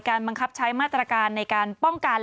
บังคับใช้มาตรการในการป้องกัน